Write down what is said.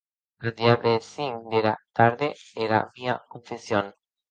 Ath diable es cinc dera tarde e era mia confession!